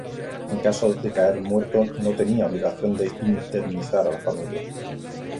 En caso de caer muerto no tenía obligación de indemnizar a la familia.